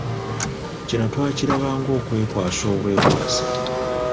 Kino twakiraba ng’okwekwasa obwekwasa.